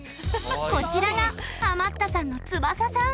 こちらがハマったさんのつばささん。